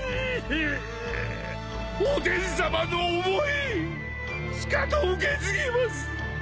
おでんさまの思いしかと受け継ぎます！